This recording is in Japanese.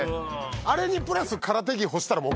あれにプラス空手着干したら。